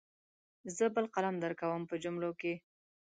زه بل قلم درکوم په جملو کې.